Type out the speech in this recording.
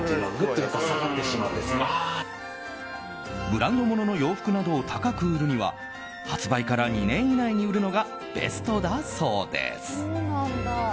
ブランド物の洋服などを高く売るには発売から２年以内に売るのがベストだそうです。